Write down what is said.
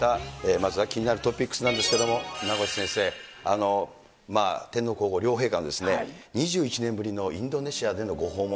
まずは気になるトピックスなんですけど、名越先生、天皇皇后両陛下の２１年ぶりのインドネシアでのご訪問。